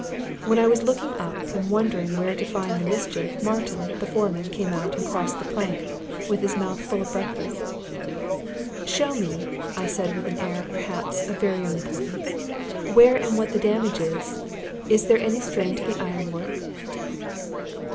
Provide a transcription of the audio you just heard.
When I was looking up and wondering where to find the mischief, Martin, the foreman, came out and crossed the plank, with his mouth full of breakfast. "Show me," I said, with an air, perhaps, of very young importance, "where and what the damage is. Is there any strain to the iron work?"